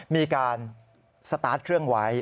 มีการสตาร์ทเครื่องไว้